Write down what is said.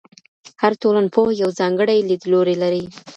هر ټولنپوه یو ځانګړی لیدلوری لري.